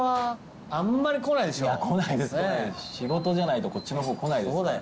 仕事じゃないとこっちの方来ないですからね。